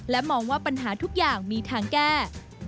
มองว่าปัญหาทุกอย่างมีทางแก้